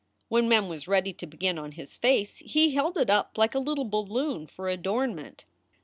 When Mem was ready to begin on his face he held it up like a little balloon for adornment.